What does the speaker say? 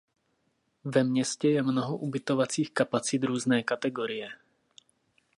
Ve městě je mnoho ubytovacích kapacit různé kategorie.